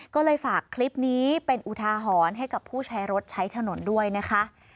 ก็เลยฝากคลิปนี้เป็นอุทาหรณ์ให้กับผู้ใช้รถใช้ถนนด้วยนะคะ